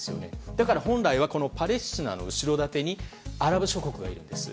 だから、本来はパレスチナの後ろ盾にアラブ諸国がいるんです。